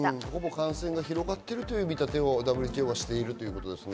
感染が広がっているという見立てをＷＨＯをしているわけですね。